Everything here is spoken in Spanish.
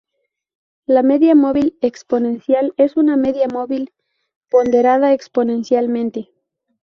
La media móvil exponencial es una media móvil ponderada exponencialmente.